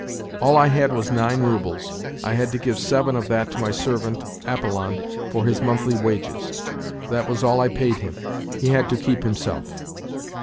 All I had was nine roubles, I had to give seven of that to my servant, Apollon, for his monthly wages. That was all I paid him he had to keep himself.